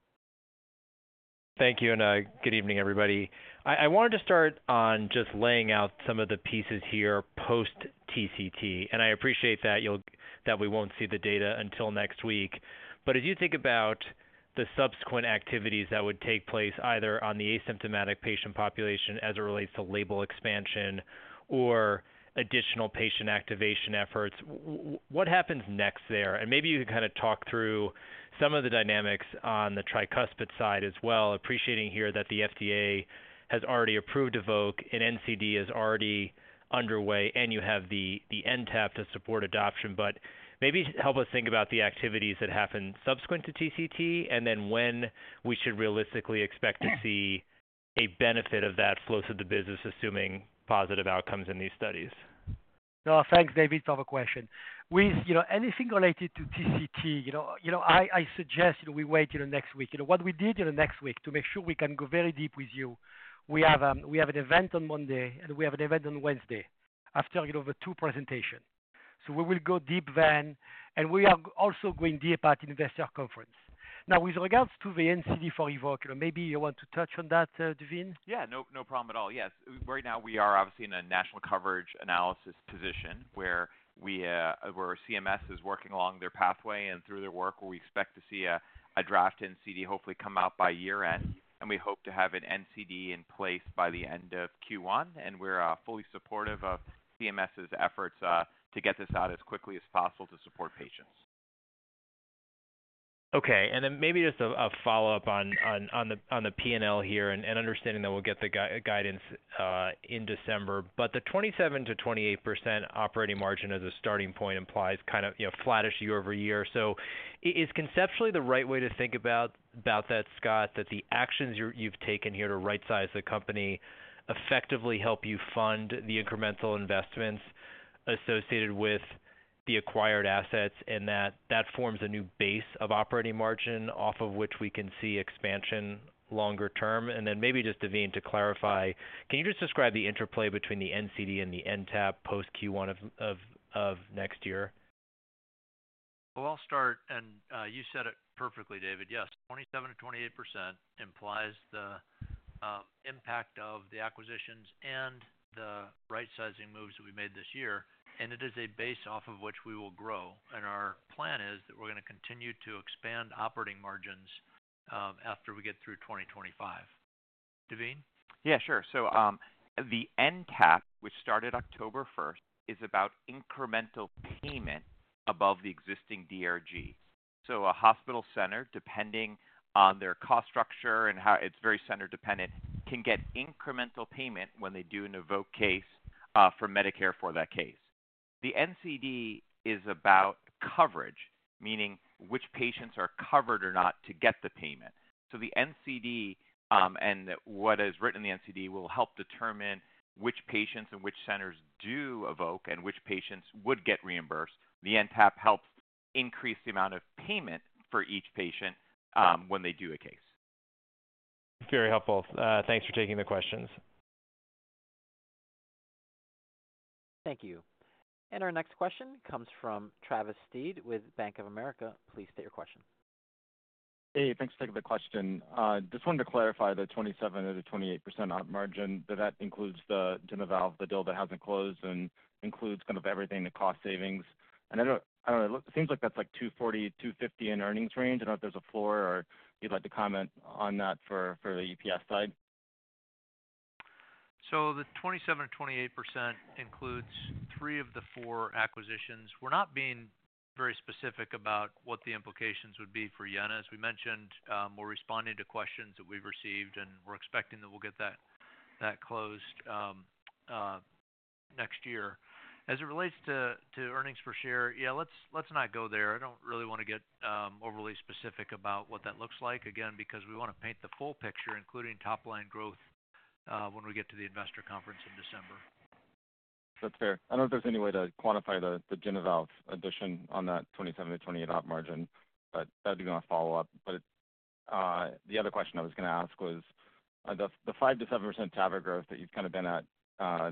Thank you, and good evening, everybody. I wanted to start on just laying out some of the pieces here post TCT, and I appreciate that we won't see the data until next week. But as you think about the subsequent activities that would take place, either on the asymptomatic patient population as it relates to label expansion or additional patient activation efforts, what happens next there? And maybe you can kind of talk through some of the dynamics on the tricuspid side as well, appreciating here that the FDA has already approved EVOQUE, and NCD is already underway, and you have the NTAP to support adoption. But maybe help us think about the activities that happen subsequent to TCT, and then when we should realistically expect to see a benefit of that flow through the business, assuming positive outcomes in these studies. No. Thanks, David, for the question. With, you know, anything related to TCT, you know, you know, I suggest we wait till the next week. You know, what we did in the next week to make sure we can go very deep with you, we have, we have an event on Monday, and we have an event on Wednesday, after, you know, the two presentation. So we will go deep then, and we are also going deep at investor conference. Now, with regards to the NCD for EVOQUE, maybe you want to touch on that, Daveen? Yeah, no, no problem at all. Yes. Right now we are obviously in a National Coverage Analysis position where CMS is working along their pathway, and through their work, where we expect to see a draft NCD hopefully come out by year-end, and we hope to have an NCD in place by the end of Q1, and we're fully supportive of CMS's efforts to get this out as quickly as possible to support patients. Okay. And then maybe just a follow-up on the PNL here, and understanding that we'll get the guidance in December. But the 27%-28% operating margin as a starting point implies kind of, you know, flattish year over year. So is conceptually the right way to think about that, Scott, that the actions you've taken here to rightsize the company effectively help you fund the incremental investments associated with the acquired assets, and that forms a new base of operating margin off of which we can see expansion longer term? And then maybe just, Daveen, to clarify, can you just describe the interplay between the NCD and the NTAP post Q1 of next year? I'll start, and you said it perfectly, David. Yes, 27%-28% implies the impact of the acquisitions and the rightsizing moves that we made this year, and it is a base off of which we will grow. Our plan is that we're going to continue to expand operating margins after we get through 2025. Daveen? Yeah, sure. The NTAP, which started October first, is about incremental payment above the existing DRG. A hospital center, depending on their cost structure and how it's very center dependent, can get incremental payment when they do an EVOQUE case from Medicare for that case. The NCD is about coverage, meaning which patients are covered or not to get the payment. The NCD and what is written in the NCD will help determine which patients and which centers do EVOQUE and which patients would get reimbursed. The NTAP helps increase the amount of payment for each patient when they do a case. Very helpful. Thanks for taking the questions. Thank you. And our next question comes from Travis Steed with Bank of America. Please state your question. Hey, thanks for taking the question. Just wanted to clarify the 27%-28% op margin, that includes the JenaValve, the deal that hasn't closed, and includes kind of everything, the cost savings. And I don't know, it seems like that's, like, $2.40-$2.50 in earnings range. I don't know if there's a floor or you'd like to comment on that for the EPS side. The 27%-28% includes three of the four acquisitions. We're not being very specific about what the implications would be for Jena. As we mentioned, we're responding to questions that we've received, and we're expecting that we'll get that closed next year. As it relates to earnings per share, yeah, let's not go there. I don't really want to get overly specific about what that looks like. Again, because we want to paint the full picture, including top-line growth, when we get to the investor conference in December. That's fair. I don't know if there's any way to quantify the JenaValve addition on that 27%-28% op margin, but that'd be my follow-up. But the other question I was going to ask was the 5%-7% TAVR growth that you've kind of been at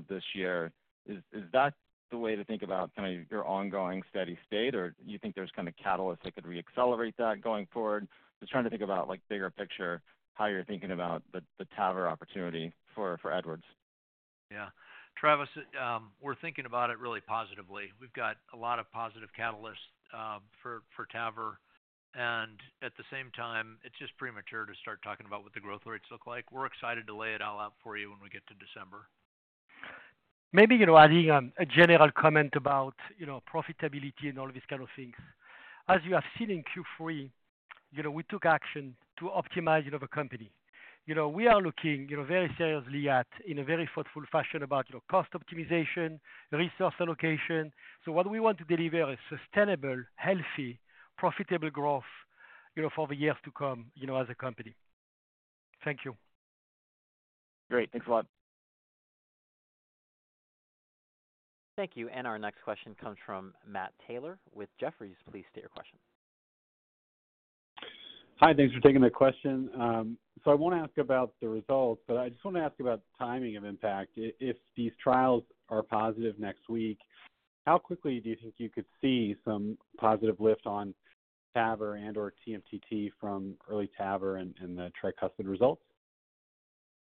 this year. Is that the way to think about kind of your ongoing steady state, or do you think there's kind of catalysts that could re-accelerate that going forward? Just trying to think about, like, bigger picture, how you're thinking about the TAVR opportunity for Edwards. Yeah. Travis, we're thinking about it really positively. We've got a lot of positive catalysts for TAVR, and at the same time, it's just premature to start talking about what the growth rates look like. We're excited to lay it all out for you when we get to December. Maybe, you know, adding a general comment about, you know, profitability and all these kind of things. As you have seen in Q3, you know, we took action to optimize, you know, the company. You know, we are looking, you know, very seriously at, in a very thoughtful fashion about, you know, cost optimization, resource allocation. So what we want to deliver is sustainable, healthy, profitable growth, you know, for the years to come, you know, as a company. Thank you. Great. Thanks a lot. Thank you, and our next question comes from Matt Taylor with Jefferies. Please state your question. Hi, thanks for taking the question. So I want to ask about the results, but I just want to ask about the timing of impact. If these trials are positive next week, how quickly do you think you could see some positive lift on TAVR and/or TMTT from early TAVR and the tricuspid results?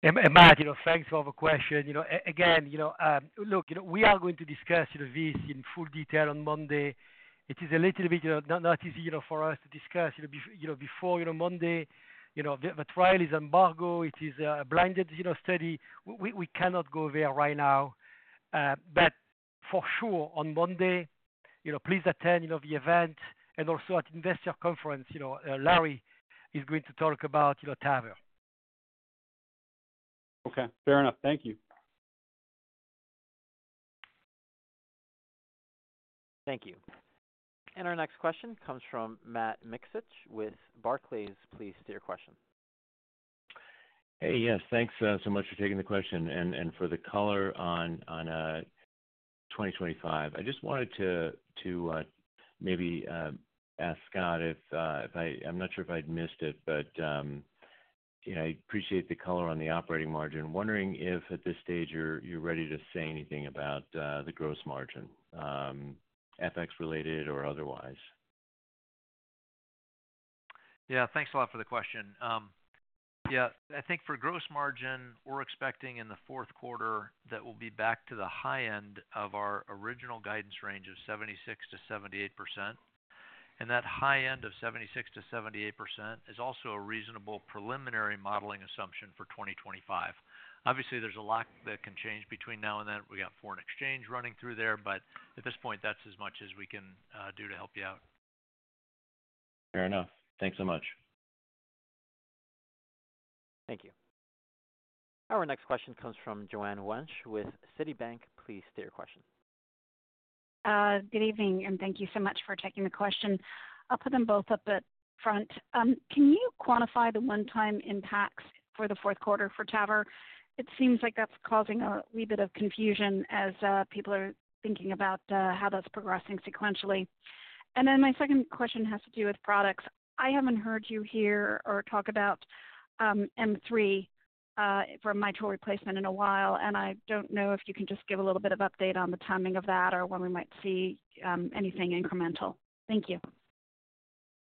Matt, you know, thanks for the question. You know, again, you know, look, you know, we are going to discuss, you know, this in full detail on Monday. It is a little bit, you know, not easy, you know, for us to discuss, you know, before, you know, Monday, you know, the trial is embargoed, it is a blinded, you know, study. We cannot go there right now, but for sure on Monday, you know, please attend, you know, the event and also at investor conference, you know, Larry is going to talk about, you know, TAVR. Okay, fair enough. Thank you. Thank you, and our next question comes from Matt Miksic with Barclays. Please state your question. Hey, yes, thanks so much for taking the question and for the color on 2025. I just wanted to maybe ask Scott. I'm not sure if I'd missed it, but you know, I appreciate the color on the operating margin. Wondering if at this stage you're ready to say anything about the gross margin, FX related or otherwise? Yeah, thanks a lot for the question. Yeah, I think for gross margin, we're expecting in the fourth quarter that we'll be back to the high end of our original guidance range of 76%-78%. And that high end of 76%-78% is also a reasonable preliminary modeling assumption for 2025. Obviously, there's a lot that can change between now and then. We got foreign exchange running through there, but at this point, that's as much as we can do to help you out. Fair enough. Thanks so much. Thank you. Our next question comes from Joanne Wuensch with Citi. Please state your question. Good evening, and thank you so much for taking the question. I'll put them both up front. Can you quantify the one-time impacts for the fourth quarter for TAVR? It seems like that's causing a wee bit of confusion as people are thinking about how that's progressing sequentially. And then my second question has to do with products. I haven't heard you here or talk about M3 for mitral replacement in a while, and I don't know if you can just give a little bit of update on the timing of that or when we might see anything incremental. Thank you.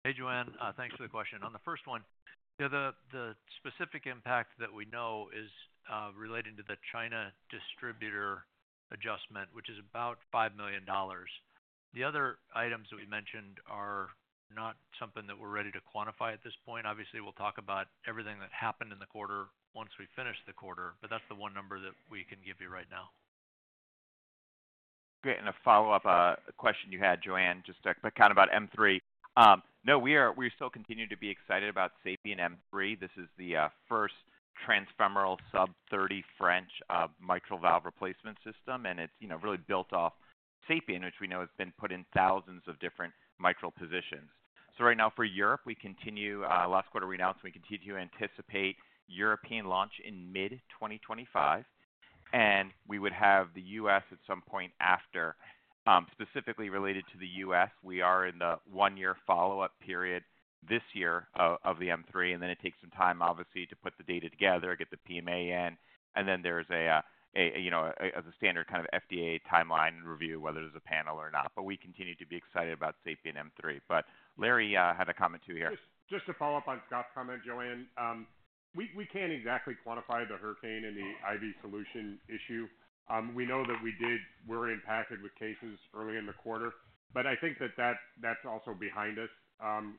Hey, Joanne. Thanks for the question. On the first one, yeah, the specific impact that we know is relating to the China distributor adjustment, which is about $5 million. The other items that we mentioned are not something that we're ready to quantify at this point. Obviously, we'll talk about everything that happened in the quarter once we finish the quarter, but that's the one number that we can give you right now. Great, and a follow-up question you had, Joanne, just a question about M3. No, we still continue to be excited about SAPIEN M3. This is the first transfemoral sub-30 French mitral valve replacement system, and it's, you know, really built off SAPIEN, which we know has been put in thousands of different mitral positions. So right now, for Europe, we continue. Last quarter, we announced we continue to anticipate European launch in mid-2025, and we would have the US at some point after. Specifically related to the US, we are in the one-year follow-up period this year of the M3, and then it takes some time, obviously, to put the data together, get the PMA in, and then there's a, you know, a standard kind of FDA timeline review, whether there's a panel or not. But we continue to be excited about SAPIEN M3. But Larry had a comment, too, here. Just to follow up on Scott's comment, Joanne. We can't exactly quantify the hurricane and the IV solution issue. We know that we're impacted with cases early in the quarter, but I think that's also behind us.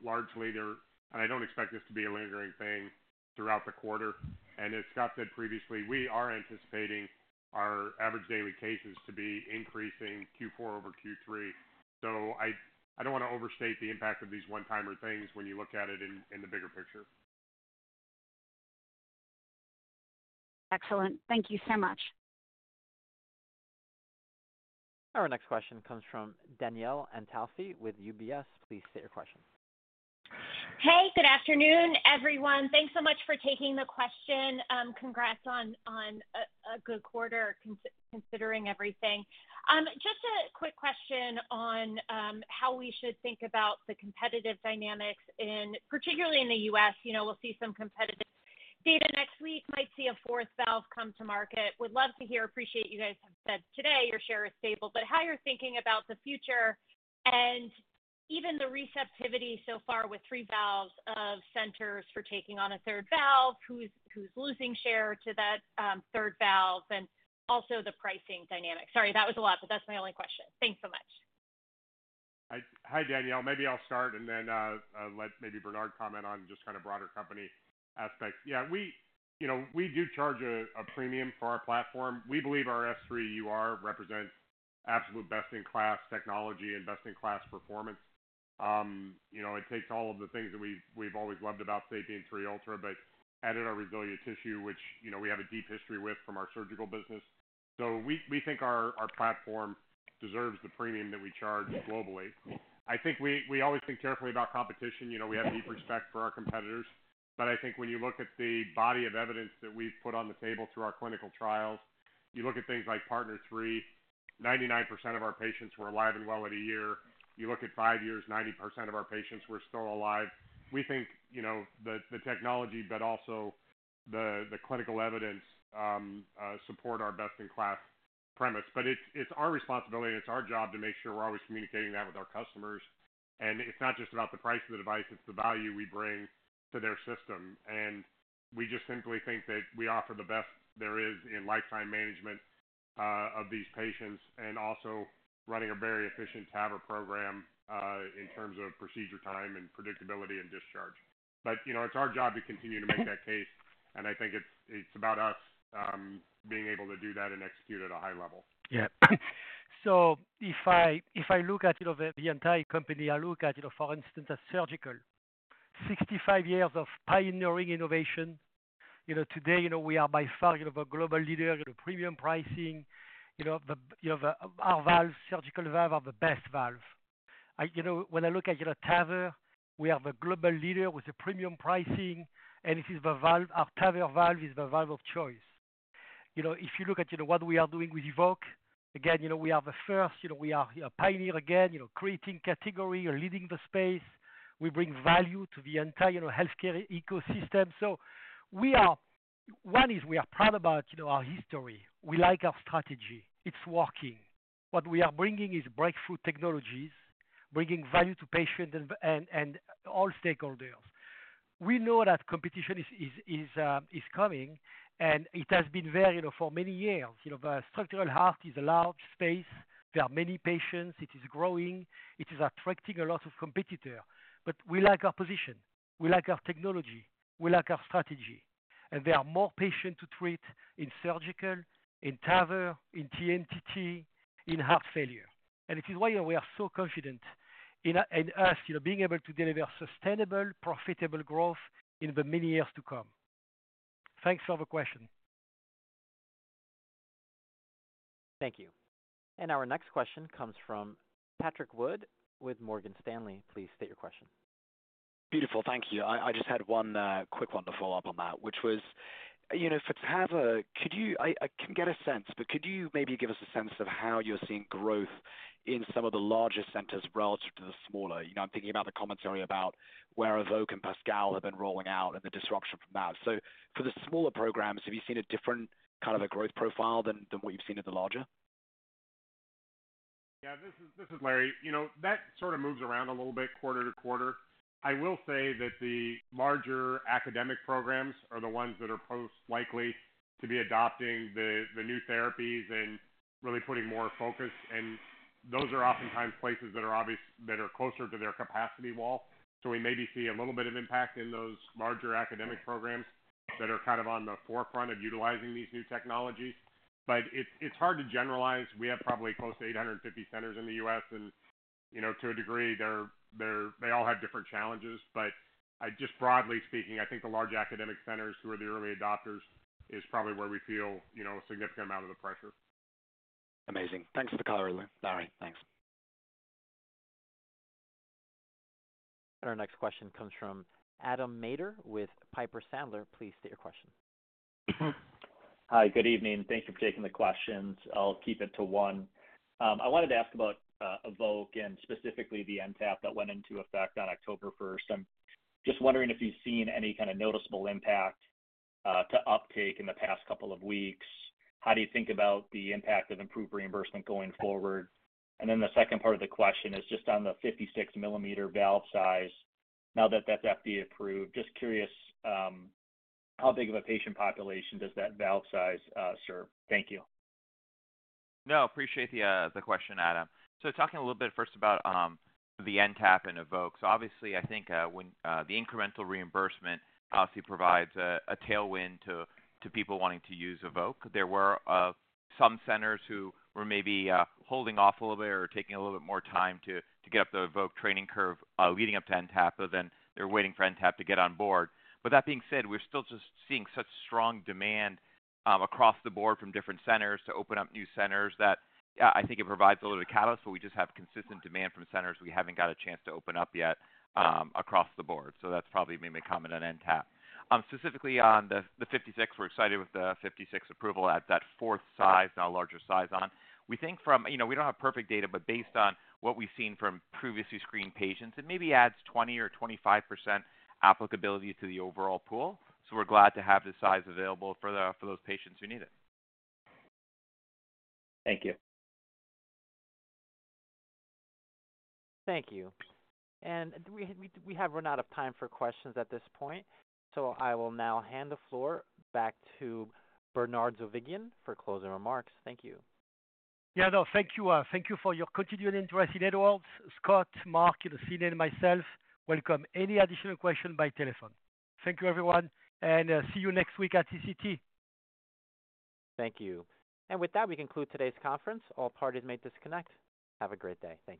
Largely there, and I don't expect this to be a lingering thing throughout the quarter. And as Scott said previously, we are anticipating our average daily cases to be increasing Q4 over Q3. So I don't want to overstate the impact of these one-timer things when you look at it in the bigger picture. Excellent. Thank you so much. Our next question comes from Danielle Antalffy with UBS. Please state your question. Hey, good afternoon, everyone. Thanks so much for taking the question. Congrats on a good quarter, considering everything. Just a quick question on how we should think about the competitive dynamics, particularly in the US. You know, we'll see some competitive data next week, might see a fourth valve come to market. Would love to hear. Appreciate you guys have said today your share is stable, but how you're thinking about the future and even the receptivity so far with three valves at centers for taking on a third valve, who's losing share to that third valve, and also the pricing dynamic. Sorry, that was a lot, but that's my only question. Thanks so much. Hi, Danielle. Maybe I'll start and then let maybe Bernard comment on just kind of broader company aspects. Yeah, we, you know, we do charge a premium for our platform. We believe our S3 UR represents absolute best-in-class technology and best-in-class performance. You know, it takes all of the things that we've always loved about SAPIEN 3 Ultra, but added our RESILIA tissue, which, you know, we have a deep history with from our surgical business. So we think our platform deserves the premium that we charge globally. I think we always think carefully about competition. You know, we have deep respect for our competitors, but I think when you look at the body of evidence that we've put on the table through our clinical trials, you look at things like PARTNER 3, 99% of our patients were alive and well at a year. You look at five years, 90% of our patients were still alive. We think, you know, the technology, but also the clinical evidence support our best-in-class premise. But it's our responsibility and it's our job to make sure we're always communicating that with our customers, and it's not just about the price of the device, it's the value we bring to their system. And we just simply think that we offer the best there is in lifetime management of these patients, and also running a very efficient TAVR program in terms of procedure time and predictability, and discharge. But, you know, it's our job to continue to make that case, and I think it's about us being able to do that and execute at a high level. Yeah. So if I look at, you know, the entire company, I look at, you know, for instance, at surgical. 65 years of pioneering innovation. You know, today, you know, we are by far, you know, a global leader in a premium pricing. You know, our surgical valve are the best valve. You know, when I look at, you know, TAVR, we have a global leader with a premium pricing, and it is the valve, our TAVR valve is the valve of choice. You know, if you look at, you know, what we are doing with EVOQUE, again, you know, we are the first, you know, we are a pioneer again, you know, creating category or leading the space. We bring value to the entire, you know, healthcare ecosystem. So we are-... One is we are proud about, you know, our history. We like our strategy. It's working. What we are bringing is breakthrough technologies, bringing value to patients and all stakeholders. We know that competition is coming, and it has been there, you know, for many years. You know, the structural heart is a large space. There are many patients. It is growing, it is attracting a lot of competitor. But we like our position, we like our technology, we like our strategy. And there are more patients to treat in surgical, in TAVR, in TMTT, in heart failure. And it is why we are so confident in us, you know, being able to deliver sustainable, profitable growth in the many years to come. Thanks for the question. Thank you. And our next question comes from Patrick Wood with Morgan Stanley. Please state your question. Beautiful. Thank you. I just had one quick one to follow up on that, which was, you know, for TAVR, could you? I can get a sense, but could you maybe give us a sense of how you're seeing growth in some of the larger centers relative to the smaller? You know, I'm thinking about the commentary about where EVOQUE and PASCAL have been rolling out and the disruption from that. So for the smaller programs, have you seen a different kind of a growth profile than what you've seen at the larger? Yeah, this is Larry. You know, that sort of moves around a little bit quarter to quarter. I will say that the larger academic programs are the ones that are most likely to be adopting the new therapies and really putting more focus, and those are oftentimes places that are closer to their capacity wall. So we maybe see a little bit of impact in those larger academic programs that are kind of on the forefront of utilizing these new technologies. But it's hard to generalize. We have probably close to 850 centers in the U.S., and, you know, to a degree, they all have different challenges. But I just, broadly speaking, I think the large academic centers who are the early adopters is probably where we feel, you know, a significant amount of the pressure. Amazing. Thanks for the color, Larry. Thanks. Our next question comes from Adam Maeder with Piper Sandler. Please state your question. Hi, good evening. Thank you for taking the questions. I'll keep it to one. I wanted to ask about, EVOQUE and specifically the NTAP that went into effect on October first. I'm just wondering if you've seen any kind of noticeable impact, to uptake in the past couple of weeks. How do you think about the impact of improved reimbursement going forward? And then the second part of the question is just on the 56-millimeter valve size. Now that that's FDA approved, just curious, how big of a patient population does that valve size, serve? Thank you. No, appreciate the, the question, Adam. So talking a little bit first about, the NTAP and EVOQUE. Obviously, I think, when, the incremental reimbursement obviously provides a, a tailwind to, to people wanting to use EVOQUE. There were, some centers who were maybe, holding off a little bit or taking a little bit more time to, to get up the EVOQUE training curve, leading up to NTAP, but then they're waiting for NTAP to get on board. But that being said, we're still just seeing such strong demand, across the board from different centers to open up new centers, that, I think it provides a little bit of catalyst, but we just have consistent demand from centers we haven't got a chance to open up yet, across the board. So that's probably made me comment on NTAP. Specifically on the 56, we're excited with the 56 approval. Add that fourth size, now a larger size on. We think. You know, we don't have perfect data, but based on what we've seen from previously screened patients, it maybe adds 20% or 25% applicability to the overall pool. So we're glad to have this size available for those patients who need it. Thank you. Thank you, and we have run out of time for questions at this point, so I will now hand the floor back to Bernard Zovighian for closing remarks. Thank you. Yeah, no, thank you. Thank you for your continued interest in Edwards. Scott, Mark, you know, Celine, and myself welcome any additional question by telephone. Thank you, everyone, and see you next week at TCT. Thank you. And with that, we conclude today's conference. All parties may disconnect. Have a great day. Thank you.